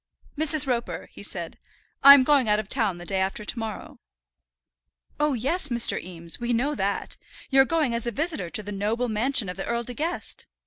"Mrs. Roper," he said, "I'm going out of town the day after to morrow." "Oh, yes, Mr. Eames, we know that. You're going as a visitor to the noble mansion of the Earl De Guest."